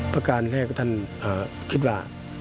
พระการณ์แห้งท่านคิดว่า